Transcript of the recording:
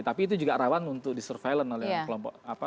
tapi itu juga rawan untuk disurveiland oleh kelompok apa